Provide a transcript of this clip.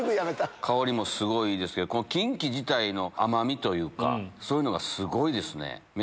香りもすごいいいですけど、このキンキ自体の甘みというか、そういうのがすごいですね。